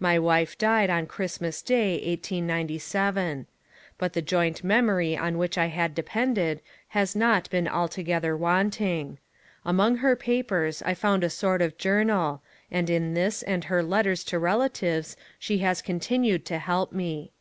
My wife died on Christmas Day, 1897. But the joint memory on which I had depended has not been altogether wanting : among her papers I found a sort of journal, and in this and her letters to relatives she has continued to help me.